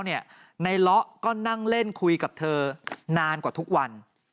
ในเลาะก็นั่งเล่นคุยกับเธอนานกว่าทุกวัน